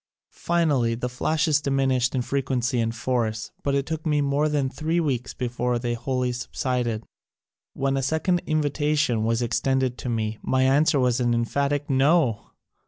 Finally the flashes diminished in frequency and force but it took more than three weeks before they wholly subsided. When a second invita tion was extended to me my answer was an emphatic NO